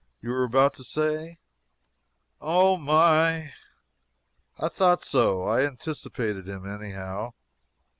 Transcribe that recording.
You were about to say " "Oh, my!" I thought so. I anticipated him, anyhow.